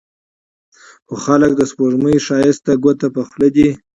خو خلک د سپوږمۍ ښايست ته ګوته په خوله دي